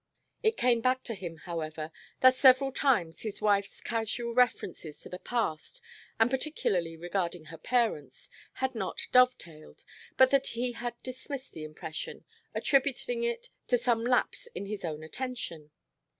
It came back to him, however, that several times his wife's casual references to the past, and particularly regarding her parents, had not dove tailed, but that he had dismissed the impression; attributing it to some lapse in his own attention.